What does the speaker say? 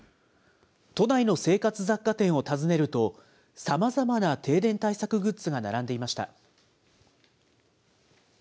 都内の生活雑貨店を訪ねると、さまざまな停電対策グッズが並んでいました。